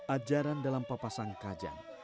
ajaran dalam papasan kajang